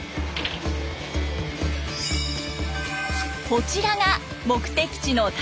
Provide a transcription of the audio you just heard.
こちらが目的地の高島。